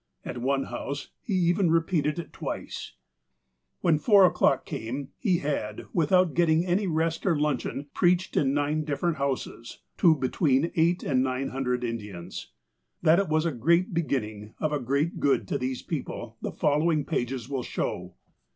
At one house he even re peated it twice. When four o'clock came, he had, without getting any rest or luncheon, preached in nine different houses, to be tween eight and nine hundred Indians. That it was a great beginning of a great good to these people, the following pages will show.